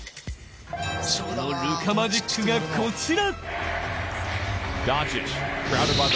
そのルカマジックがこちら。